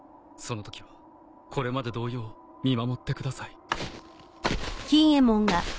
そのときはこれまで同様見守ってください。